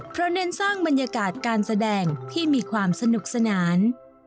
เพราะเน้นสร้างบรรยากาศการแสดงที่มีความสนุกสนาน